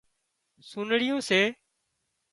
سُنڙيون سي